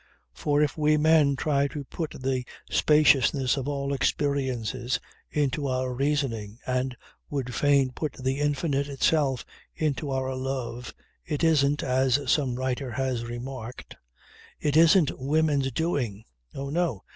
For if we men try to put the spaciousness of all experiences into our reasoning and would fain put the Infinite itself into our love, it isn't, as some writer has remarked, "It isn't women's doing." Oh no.